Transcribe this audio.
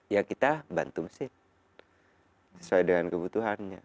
ya kita bantu mesin sesuai dengan kebutuhannya